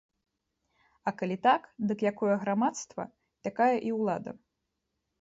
А калі так, дык якое грамадства, такая і ўлада.